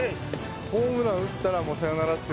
ホームラン打ったらもうサヨナラですよ。